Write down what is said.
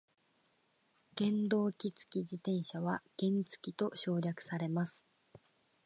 原動機付き自転車は原付と省略されます。